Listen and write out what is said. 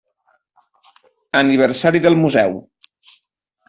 Aniversari del Museu.